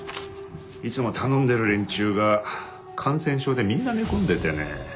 いつも頼んでる連中が感染症でみんな寝込んでてね